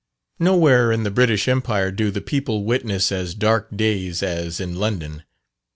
Nowhere in the British empire do the people witness as dark days as in London.